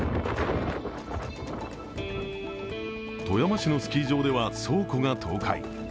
富山市のスキー場では倉庫が倒壊。